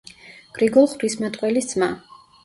გრიგოლ ღვთისმეტყველის ძმა.